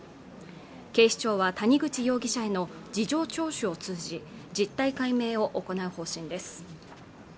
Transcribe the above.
警視庁は谷口容疑者への事情聴取を通じ実態解明を行う方針です